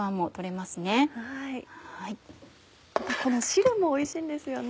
またこの汁もおいしいんですよね。